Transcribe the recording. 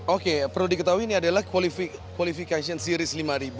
oke perlu diketahui ini adalah qualification series lima ribu